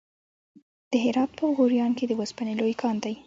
د هرات په غوریان کې د وسپنې لوی کان دی.